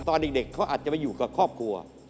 ตอนเด็กเขาอาจจะไปอยู่กับครอบครัว